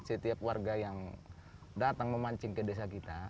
setiap warga yang datang memancing ke desa kita